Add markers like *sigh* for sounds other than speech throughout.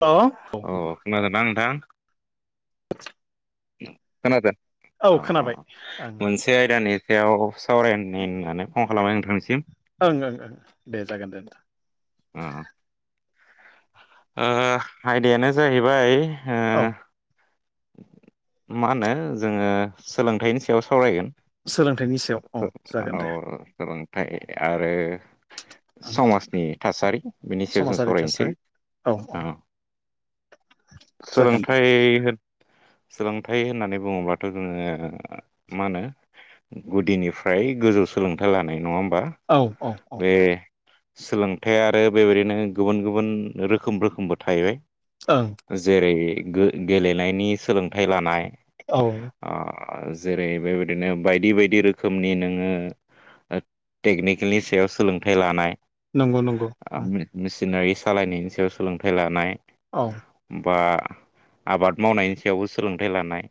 औ औ अ खोनादोंना नोंथां *inaudible* खोनादों अ औ अ खोनाबाय ओं मोनसे आयदानि सायाव सावरायनि होननानै फन खालामबाय नोंथांनिसिम ओं ओं ओं दे जागोन दे नोंथां औ ओ आयदायानो जाहैबाय ओ औ मा होनो जोङो सोलोंथाइनि सायाव सावरायगोन सोलोंथाइनि सायाव औ जागोन औ दे सोलोंथाइ आरो ओं समाजनि थासारि बेनि सायाव जों समाजारि सावरायनोसै थासारि औ जागोन दे सोलोंथाइ होनो सोलोंथाइ होननानै बुङोब्लाथ' जोङो मा होनो गुदिनिफ्राय गोजौ सोलोंथाइ लानाय नङा होम औ औ औ सोलोंथाइ आरो बेबायदिनो गुबुन गुबुन रोखोम रोखोमबो थाहैबाय ओं जेरै गेलेनायनि सोलोंथाइ लानाय औ आरो जेरै बेबायदिनो बायदि बायदि रोखोमनि नोङो टेकनिकेलनि सायाव सोलोंथाइ लानाय नंगौ नंगौ ओं मिसिनारि सालायनायनि सायाव सोलोंथाइ लानाय औ बा आबाद मावनायनि सायावबो सोलोंथाइ लानाय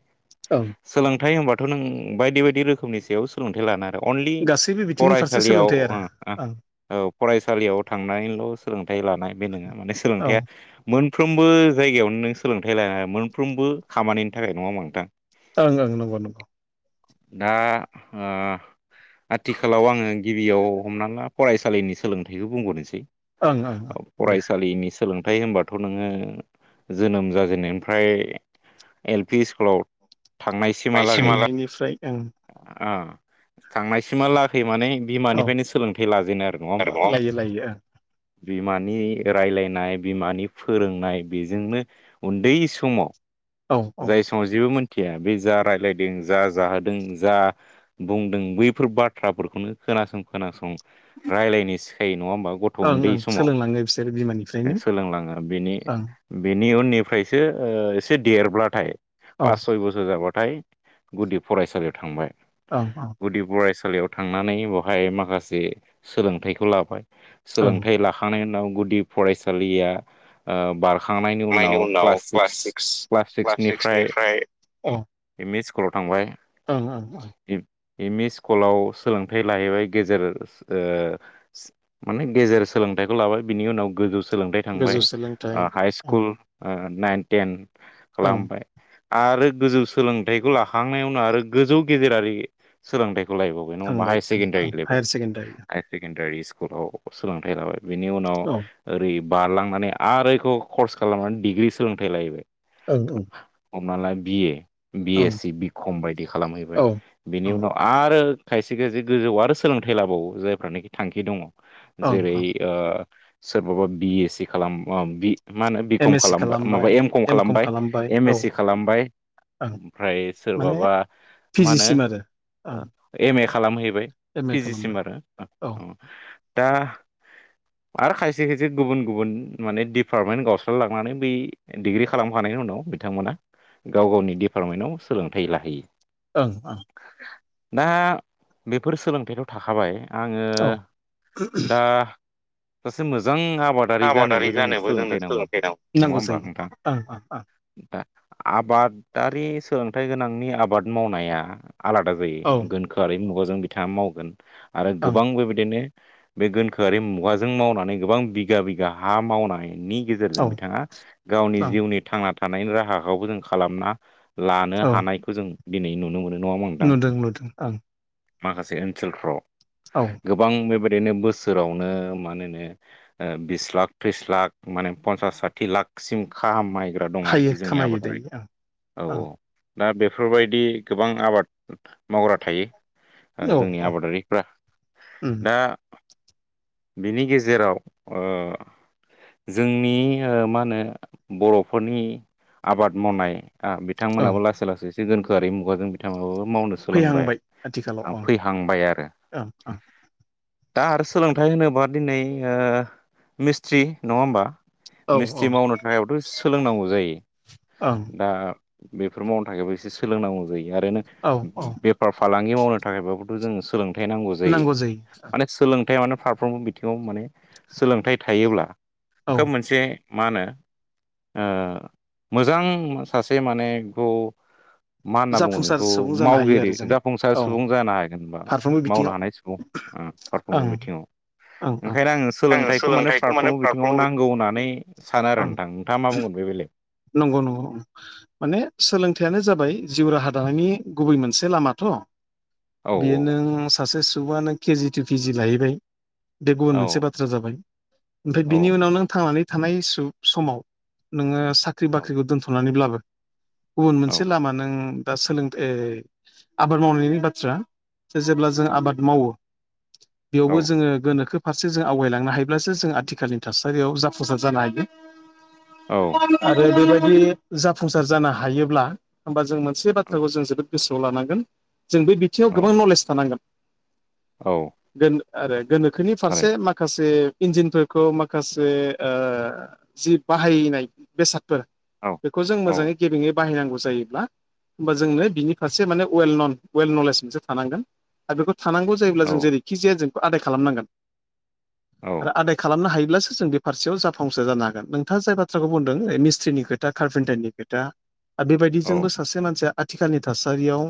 ओं सोलोंथाइ होनबा थ' नों बायदि बायदि रोखोमनि सायाव सोलोंथाइ लाना अनलि गासैबो बिथिंनि फारसे फरायसालियाव सोलोंथाइ ओ आरो ओ ओं औ फरायसालियाव थांनानैल' सोलोंथाइ लानाय बे नङा माने औ सोलोंथाइया ओं मोनफ्रोमबो जायगायावनो नों सोलोंथाइ लानो मोनफ्रोमबो खामानिनि थाखाय नङा होनबा नोंथां ओं ओं नंगौ नंगौ दा आ आथिखालाव आङो गिबियाव हमना ला फरायसालिनि सोलोंथाइखौ बुंहरनोसै ओं ओं ओं दे नि सोलोंथाइ होनबाथ' नोङो जोनोम जाजेननायनिफ्राय एल पि स्कुलाव थांनायसिमहालागै सोंनायनिफ्राय ओं थांनायसिमा लागै माने औ बिमानिफ्रायनो सोलोंथाइ लाजेनो आरो नङा होमबा लायो लायो बिमानि रायलायनाय बिमानि फोरोंनाय बेजोंनो उन्दै समाव ओं औ जाय समाव जेबो मोन थिया बे जा रायलायदों जा जाहोदों जा बुंदों बैफोर बाथ्राफोरखौनो खोनासं खोनासं रायलायनो सिखायो नङा होमबा गथ' औ ओं उन्दै ओं समाव सोलोंलाङो बिसोरो बिमानिफ्रायनो सोलोंलाङो सिनि ओं बि नि उननिफ्रायसो ओ एसे देरब्लाथाय औ फास सय बोसोर जाबाथाय नाथाय गुदि फरायसालियाव थांबाय ओं ओं गुदि फराय सालियाव थांनानै ब'हाय माखासे सोलोंथाइखौ लाबाय ओं सोलोंथाइ लाखांनायनि उनाव गुदि फरायसालिया ओ बारखांनायनि उनाव क्लास सिक्स क्लास सिक्सनिफ्राय एम इ स्कुलाव थांबाय। ओं ओं ओं एम इ स्कुलाव सोलोंथाइ लाहैबाय गेजेर ओ माने गेजेर सोलोंथाइखौ लाबाय बिनि उनाव गोजौ सोलोंथाइ गोजौ थांबाय सोलोंथाइ ओ हाइ ओं स्कुल ओ नाइन टेन ओं खालामबाय आरो गोजौ सोलोंथाइखौ लाखांनायावनो आरो गोजौ गेजेरारि सोलोंथाइखौ खौ लायबावबाय नङा होमबा थांबाय हायार ओं ओं secondary level higher secondary high secondary स्कुलाव सोलोंथाइ लाबाय बिनि उनाव औ ओरै बारलांनानै आरोखौ कर्स खालामनानै डिग्रि सोलोंथाइ लायो ओं हमना ला बि ए बि एस ओं सि बि कम बायदि खालामहैबाय औ बिनि ओं उनाव आरो खायसे खायसे गोजौआव आरो सोलोंथाइ लाबावो जायफ्रानोखि थांखि दङ' ओं जेरै ओं ओ सोरबाबा बि ए सि खालाम ओम बि मा होनो बि कम एम एस सि खालामबा माबा खालामबाय एम कम बाय खालामबाय एम औ एस सि खालामबाय ओं ओमफ्राय माने सोरबाबा पि मा जि होनो सिम आरो ओं एम ए खालामहैबाय एम ए खालामबाय पिजिसिम आरो औ अ दा आरो खायसे खायसे गुबुन गुबुन माने डिपार्टमेन्ट गावस्रालांनानै बै डिग्रि खालामखांनायनि उनाव बिथांमोना गाव गावनि डिपार्टमेन्टाव सोलोंथाइ लाहैयो। ओं ओं दा बेफोर सोलोंथाइखौ थाखाबाय आङो औ दा सासे मोजां आबादारि जानोबो जोंनो सोलोंथ नङा नांगौ होमबा जायो नोंथां ओ ओ ओ आबादारि सोलोंथाइ गोनांनि आबाद मावनाया आलादा ओं जायो गोनखोआरि मुगाजों बिथाङा मावगोन आरो ओं गोबां बेबायदिनो बे गोनखोआरि मुगाजों मावनानै गोबां बिगा बिगा हा मावनायनि औ गेजेरजों ओं बिथाङा गावनि औ ओं जिउनि थांना थानायनि राहाखौबो जों खालामना लानो औ हानायखौ जों दिनै नुनो मोनो। नङा होनबा नोंथां नुदों नुदों ओं माखासे ओनसोलफ्राव औ गोबां बेबाय दिनो बोसोरावनो मानोनो ओ बिस लाख त्रिस लाख माने पन्सास साथि लाखसिम खाहाम मायग्रा दं हायो आरोखि जोंनि खामायो आबादारि दायो औ औ ओं दा बेफोरबायदि गोबां आबाद मावग्रा थायो। ओ ओं जोंनि औ आबादारिफ्रा उम दा बिनि गेजेराव ओ जोंनि ओ मा होनो बर'फोरनि आबाद मावनाय ओ ओं बिथांमोनहाबो लासै लासै एसे दोनखोआरि मुगाजों बिथांमोनाबो मावनो सोलोंबाय फैहांबाय आथिखालाव ओं फैहांबाय आरो ओं दा आरो सोलोंथाइ होनोब्ला दिनै मिस्ट्रि नङा होमबा? ओं औ मिस्थि्रि मावनो थाखायथ' सोलोंनांगौ जायो। औ ओं दा बेफोर मावनो थाखायब एसे सोलोंनांगौ जायो आरो औ औ बेफार फालांगि मावनो थाखायबाबोथ' जों सोलोंथाइ नांगौ जायो माने सोलोंथाय माने फारफ्रोमबो बिथिङाव माने सोलोंथाइ थायोब्ला औ खोब मोनसे मा होनो मोजां सासे माने मा होनना बुङो जाफुंसार नोंखौ सुबुं जानो हायो मावगिरि आरो जों जाफुंसार औ सुबुं जानो हागोन होनबा मावनो हानाय सुबुं ओ औ फारफ्रोमबो बिथिङाव ओंखायनो आङो सोलोंथाइखौ माने फारफ्रोमबो बिथिङाव नांगौ होननानै सानो आरो ओं नोंथां नोंथाङा मा बुंगोन बे बेलायाव? नंगौ नंगौ माने सोलोंथाइयानो जाबाय जिउ राहा दानायनि गुबै मोनसे लामाथ' औ बियो नों सासे सुबआनो केजि टु केजि लाहैबाय। बे गुबुन औ मोनसे बाथ्रा जाबाय ओमफ्राय औ बिनि उनाव नों थांनानै थानाय समाव नोङो साख्रि औ बाख्रिखौ दोन्थ'नानैब्लाबो गुबुन औ मोनसे लामा नों दा सोलोंथ आबाद मावनायनि बाथ्रा जेब्ला जों आबाद मावो औ बेयावबो जोङो गोनोखो फारसे जों आवगायलांनो हायोब्लासो जों आथिखालनि थासारियाव जाफुंसार जानो हायो। औ आरो बेबायदि जाफुंसार जानो हायोब्ला होमबा जों मोनसे बाथ्राखौ जों जोबोद गोसोआव लानांगोन जों बे बिथिङाव औ गोबां नलेज थानांगोन। औ आरो गोनोखोनि थारै फारसे माखासे इन्जिनफोरखौ माखासे जि बाहायनाय बेसाद फोर औ बेखौ जों औ मोजाङै गेबेङै बाहायनांगौ जायोब्ला होमबा जोंनो बिनि फारसे माने वेल नन वेल नलेज मोनसे थानांगोन आरो बेखौ थानांगौ जायोब्ला औ जों जेरैखि जाया जोंखौ आदाय खालामनांगोन औ आरो आदाय खालामनो हायो सो जों बे फारसेयाव जाफुंसार जानो हागोन नोंथाङा जाय बाथ्रा बुंदों मिस्ट्रिनि खोथा कार्पेन्टारनि खोथा आरो औ बेबायदिजोंबो सासे मानसिया आथिखालनि थासारियाव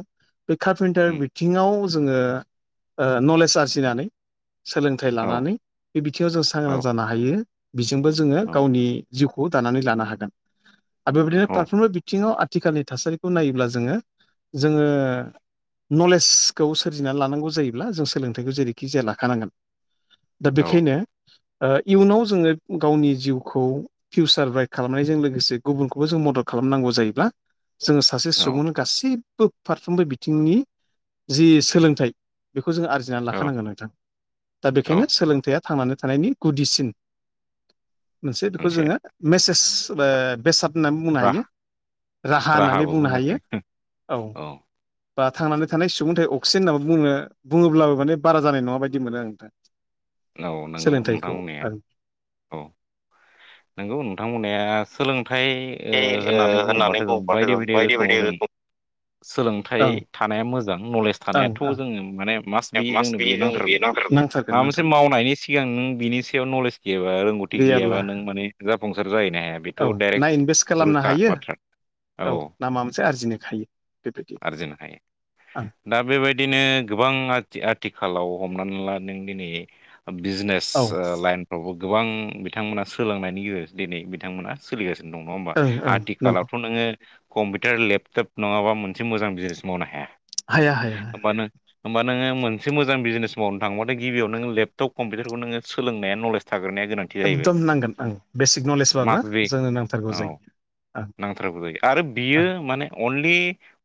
बे कार्पेन्टार उम बिथिङाव जोङो नलेज आरजिनानै सोलोंथाइ औ लानानै बे बिथिङाव जों सांग्रां औ जानो हायो बिजोंबो जोङो औ गावनि जिउखौ दानानै लानो हागोन आरो बेबायदिनो फारफ्रोमबो बिथिंआव आथिखालनि थासारिखौ नायोब्ला जोङो जोङो नलेजखौ सोरजिनानै लानांगौ जायोब्ला जों सोलोंथाइखौ जेरैखि जाया लाखानांगोन दा औ बेखायनो इयुनाव जोङो गावनि जिउखौ फिउचार ब्राइक खालामनायजों लोगोसे गुबुनखौबो जों मदद खालामनांगौ जायोब्ला जोङो सासे औ सुबुंनो गाससिबो फारफ्रोमबो बिथिंनि जि सोलोंथाइ खौ जों आरजिनानै औ लाखानांगोन नोंथां दा औ बेखायनो सोलोंथाइया थांनानै थानायनि गुदिसिन मोनसे बेखौ जोङो मेसेज बेसाद होननानै बुंनो हायो राहा राहा होननानै राहाबो बुंनो हायो बुङाखै औ बा थांनानै थानाय सुबुंथाय अक्सिजेन होननानानै बो बुङोब्लाबो माने बारा जानाय नङा बायदि मोनो आं नोंथा। औ नंगौ नोंथां बुंनाया औ नंगौ। नोंथां बुंनाया सोलोंथाइ बे ओ होननानै बुङोब्लाथाय' जों बुङोबाथ' बायदि बायदि रोखोमाव जों रोखोम सोलोंथाइ ओं थानाया मोजां नलेज थानायाथ' ओं जोङो माने मास बि जोंनो बेयो नांथारगौ माबा मोनसे से मावनायनि सिगां नों बिनि सायाव नलेज गैयाबा रोंगौथि गैयाबा गैयाब्ला नों माने जा जायोना हाया बेथ' औ ना डाइरेक्ट इनभेस्ट खालामनो रोखा हायो बाथ्रा औ ना माबा मोनसे आरजिनो हायो बेबायदि आरजिनो हायो ओं दा बेबायदिनो गोबां आथिखालाव हमनानै ला नों दिनै बिजनेस औ लाइनफ्रावबो गोबां बिथांमोना सोलोंनायनि गेजेरजों दिनै बिथांमोना सोलिगासिनो दं नङा होमबा ओं ओं नंगौ आथिखालावथ' नोङो कम्पिउटार लेपटप नङाबा मोनसे मोजां बिजनेस मावनो हाया। हाया हाया। होमबा नों होमबा नोङो मोनसे मोजां बिजनेस मावनो थांबाथाय गिबियाव नों लेपटप कम्पिउटारखौ नोङो सोलोंनाया नलेज था एकदम नांगोन आं बेसिक मा नलेजबाबो बे जोंनो नांथारगौ औ जायो। नांथारगौ जायो आरो बियो माने अनलि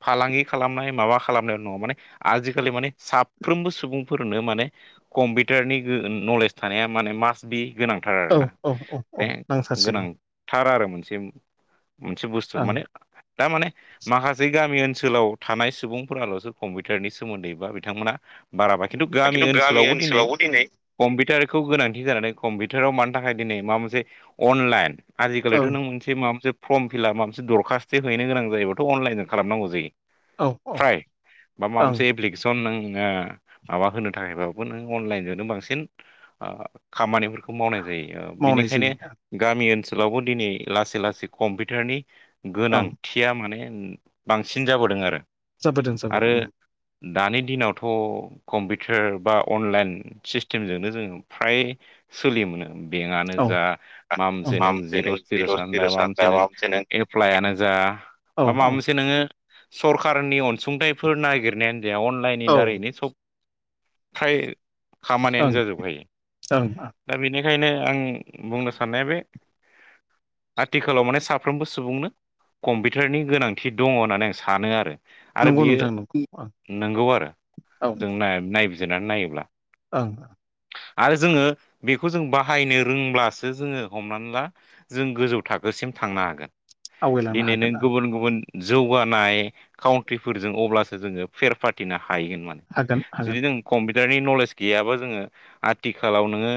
फालांगि खालामनाय माबा खालामनाय नङा माने आजिखालि माने साफ्रोमबो सुबुंफोरनो माने कम्पिउटारनि गो नलेज थानाया माने मास बि गोनांथार ओं आरोना औ औ औ माने नांथारसिगौ गोनांथार आरो मोनसे मोनसे बुस्थु ओं माने दामाने माखासे गामि ओनसोलाव थानाय सुबुंफोराल'सो कम्पिउटारनि सोमोन्दै बा बिथांमोना बाराबा खिन्थु गामि ओनसोलावबो दिनै कम्पिउटार खौ गोनांथि जानानै कम्पिउटाराव मानो थाखाय दिनै माबा मोनसे अनलाइन आजिखालिथ' ओं नों मोनसे माबा मोनसे फर्म फिलआप माबा मोनसे दरखास्ट हैनो गोनां जायोबाथ' अनलाइनजों खालामनांगौ जायो। औ औ फ्राय बा माबा ओं मोनसे एप्लिकेसन नों ओ माबा होनो थाखायबाबो नों अनलाइनजोंनो बांसिन ओ खामानिफोरखौ खौ मावनाय जायो मावनाय बिनिखायनो जायो गामि ओनसोलावबो दिनै लासै लासै कम्पिउटारनि ओं गोनांथिया माने बांसिन जाबोदों आरो जाबोदों आरो जाबोदों ओम दानि दिनावथ' कम्पिउटार बा अनलाइन सिस्टेमजोंनो जोङो फ्राय सोलियोमोन बेंकआनो औ ओं जा माबा मोनसे नों जिर' जिर'सानो दा माबा मोनसे नों एप्लाइ आनो जा औ बा माबा मोनसे नोङो सरखाररनि अनसुंथाइफोर नागिरनायानो जाया अनलाइननि औ ओं दारैनो सब फ्राय खामानियानो ओं जाजोबखायो दा बेनि खायनो आं बुंनो साननाया बे आथिखालाव माने साफ्रोमबो सुबुंनो कम्पिउटारनि गोनांथि दङ' होननानै आं सानो आरो आरो नंगौ नोंथां नंगौ बियो ओं नोंगौ आरो औ जों नायबिजिरनानै नायोब्ला ओं आरो जोङो बेखौ जों बाहायनो रोंब्लासो जोङो हमनानै ला जों गोजौ थाखोसि सिम थांनो हागोन आवगायलांनो दिनै नों हागोन ओं गुबुन गुबुन जौगानाय काउन्ट्रिफोरजों अब्लासो जोङो फेरफाथिनो हा हायैगोन माने हागोन हागोन जुदि जों कम्पिउटारनि नलेज गैयाबा जोङो आथिखालाव नोङो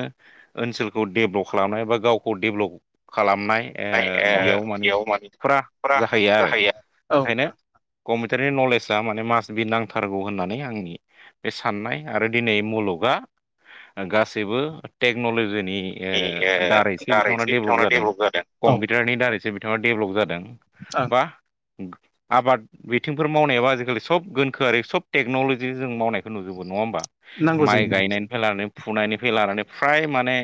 ओनसोलखौ डेभ्लप खालामनाय बा गावखौ डेभ्लप खालामनाय ओ बेयाव माने फुरा जाहैया आरो ओंखायनो कम्पिउटारनि नलेजआ माने मास बि नांथारगौ होननानै आंनि बे साननाय आरो दिनै मुलुग बा गासैबो टेकन'लजिनि नि ओ दारैसो बिथांमोना डेभलप जादों कम्पिउटारनि दारैसो बि डेभेलप जादों ओं बा आबाद बिथिंफोर मावनायाबो आजिखालि सब गोनखोआरि सब टेक्न'लजि जों मावनायखौ नुजोबो नङा होमबा नांगौ जायो माइ नों गायनायनिफ्राय लानानै फुनायनिफ्राय लानानै फ्राय माने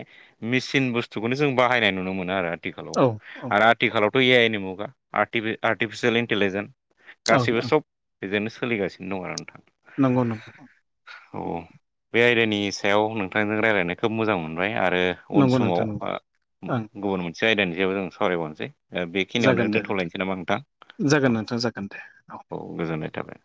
मेसिन बुस्थुखौनो जों बाहायनाय नुनो मोनो आरो औ आथिखालाव आरो आथिखालावथ' ए आइ नि मुगा आर्टि आर्टिफिसियेल इन्टेलिजेन्स ओं गासैबो ओं सब बेजोंनो सोलिगासिनो दं आरो नोंथां नंगौ नंगौ औ बे आयदानि सायाव नोंथांजों रायज्लायनो खोब मोजां मोनबाय आरो आरो उन नंगौ समाव नोंथां नंगौ ओ ओं गुबुन मोनसे आयदानि सायाव जों सावरायबावनोसै ओ बेखिनियावनो जागोन दे नोंथां दोन्थ'लायनोसै नामा नोंथां जागोन औ नोंथां जागोन दे औ गोजोननाय थाबाय